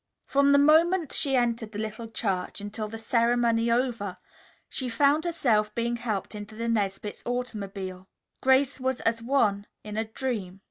From the moment she entered the Little Church until, the ceremony over, she found herself being helped into the Nesbits' automobile, Grace was as one in a dream.